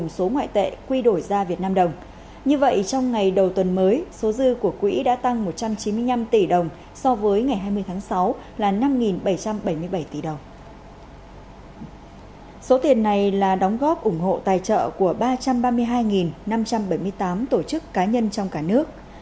số tiền này là đóng góp ủng hộ tài trợ của ba trăm ba mươi hai năm trăm bảy mươi tám tổ chức cá nhân trong cả nước